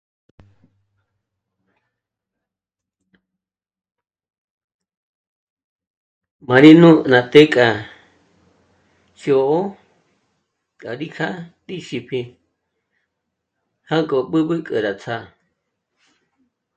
Má rí nú'u ná té k'a ndzhṓ'ō k'a rí jà'a ìxípji jânk'o b'ǚb'ü k'o rá ts'â'a